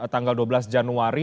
tanggal dua belas januari